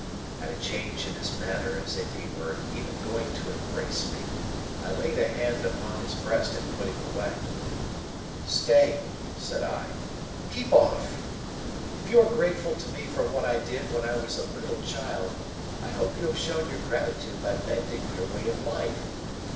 At a change in his manner as if he were even going to embrace me, I laid a hand upon his breast and put him away. "Stay!" said I. "Keep off! If you are grateful to me for what I did when I was a little child, I hope you have shown your gratitude by mending your way of life.